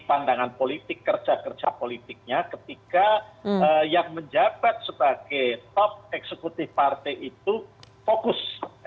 pandangan politik kerja kerja politiknya ketika yang menjabat sebagai top eksekutif partai itu fokus